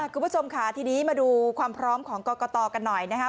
คุณผู้ชมค่ะทีนี้มาดูความพร้อมของกรกตกันหน่อยนะครับ